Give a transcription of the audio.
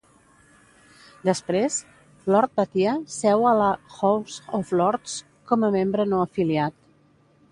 Després, Lord Batia seu a la House of Lords com a membre no afiliat.